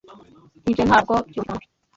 Ibyo ntabwo byumvikana nabi.